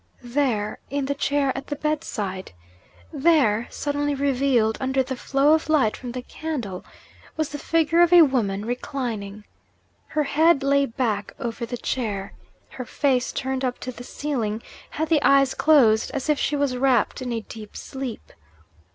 There in the chair at the bedside there, suddenly revealed under the flow of light from the candle, was the figure of a woman, reclining. Her head lay back over the chair. Her face, turned up to the ceiling, had the eyes closed, as if she was wrapped in a deep sleep.